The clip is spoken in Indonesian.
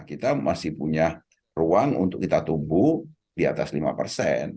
kita masih punya ruang untuk kita tumbuh di atas lima persen